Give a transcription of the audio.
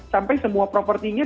sampai semua propertinya